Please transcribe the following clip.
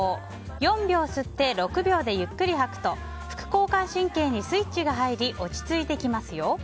４秒吸って６秒でゆっくり吐くと副交感神経にスイッチが入り落ち着いてきますよ。